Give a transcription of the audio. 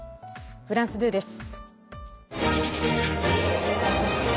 フランス２です。